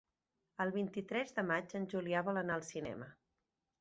El vint-i-tres de maig en Julià vol anar al cinema.